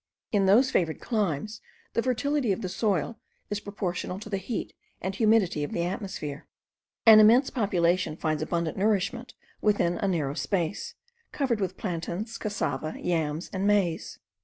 In those favoured climes, the fertility of the soil is proportioned to the heat and humidity of the atmosphere. An immense population finds abundant nourishment within a narrow space, covered with plantains, cassava, yams, and maize.